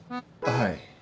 はい。